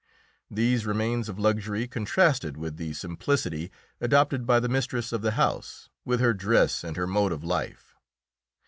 These remains of luxury contrasted with the simplicity adopted by the mistress of the house, with her dress and her mode of life.